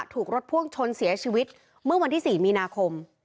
ถูกรถพ่วงชนเสียชีวิตเมื่อวันที่๔มีนาคม